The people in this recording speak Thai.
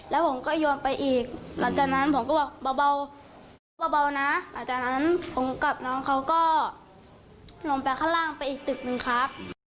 แล้วผมก็โยนไปอีกหลังจากนั้นผมก็บอกเบานะหลังจากนั้นผมกับน้องเขาก็ลงไปข้างล่างไปอีกตึกหนึ่งครับ